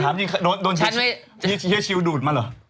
ถามจริงโดนที่เฮียชิลดูดมาเหรอ